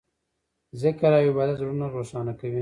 ذکر او عبادت زړونه روښانه کوي.